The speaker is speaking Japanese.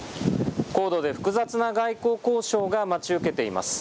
高度で複雑な外交交渉が待ち受けています。